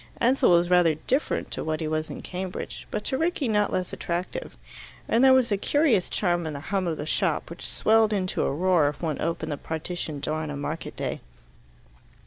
Ansell was rather different to what he was in Cambridge, but to Rickie not less attractive. And there was a curious charm in the hum of the shop, which swelled into a roar if one opened the partition door on a market day.